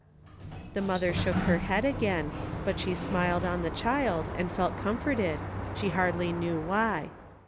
" The mother shook her head again, but she smiled on the child, and felt comforted, she hardly knew why.